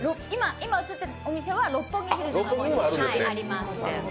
今映っているお店は六本木にあります。